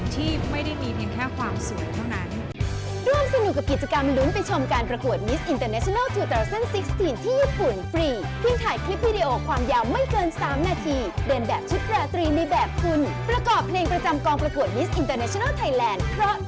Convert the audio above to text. ที่ไม่ได้มีเพียงแค่ความสวยเท่านั้น